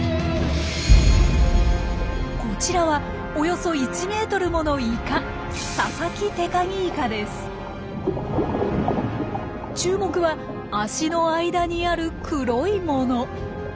こちらはおよそ１ｍものイカ注目は足の間にある黒いもの。